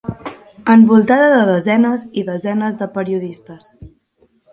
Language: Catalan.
Envoltada de desenes i desenes de periodistes.